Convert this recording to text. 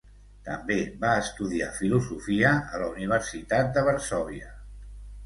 També va estudiar filosofia a la Universitat de Varsòvia.